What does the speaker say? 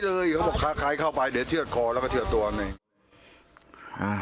เลยค่ะขายเข้าไปเดี๋ยวเชื่อสแล้วก็เชื่อตัวนี้อ่ะ